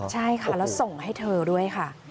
ใช่ค่ะแล้วส่งให้เธอด้วยค่ะ